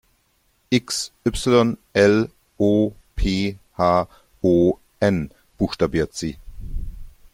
"X Y L O P H O N", buchstabiert sie.